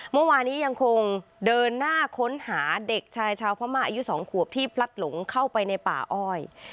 เมื่อวานี้ยังคงเดินหน้าค้นหาเด็กชายชาวพม่าอายุ๒ขวบที่พลัดหลงเข้าไปในป่าอ้อย